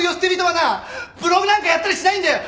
はなブログなんかやったりしないんだよ！